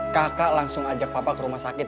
kakak langsung ajak bapak ke rumah sakit